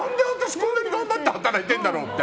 こんなに頑張って働いてるんだろうって。